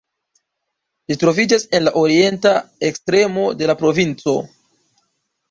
Ĝi troviĝas en la orienta ekstremo de la provinco.